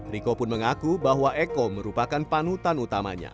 riko pun mengaku bahwa eko merupakan panutan utamanya